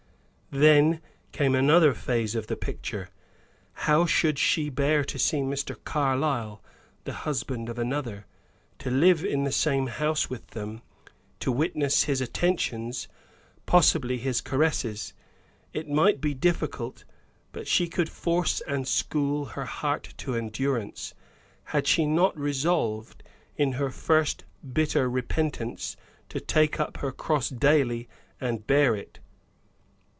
Then came another phase of the picture how should she bear to see Mr. Carlyle the husband of another to live in the same house with them, to witness his attentions, possibly his caresses? It might be difficult; but she could force and school her heart to endurance. Had she not resolved, in her first bitter repentance, to take up her cross daily, and bear it?